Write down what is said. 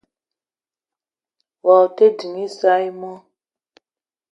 Wao te ding isa i mo?